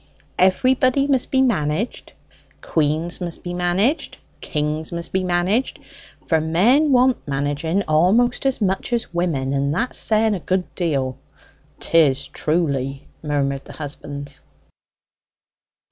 Everybody must be managed. Queens must be managed: kings must be managed; for men want managing almost as much as women, and that's saying a good deal." "'Tis truly!" murmured the husbands.